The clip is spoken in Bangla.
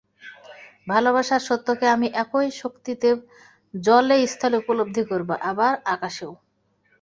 ভালোবাসার সত্যকে আমি একই শক্তিতে জলে স্থলে উপলব্ধি করব, আবার আকাশেও।